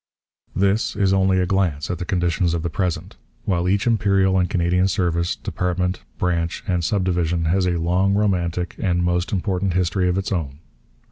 This is only a glance at the conditions of the present; while each Imperial and Canadian service, department, branch, and sub division has a long, romantic, and most important history of its own.